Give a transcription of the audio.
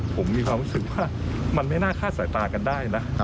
ผมมีความรู้สึกว่ามันไม่น่าคาดสายตากันได้นะ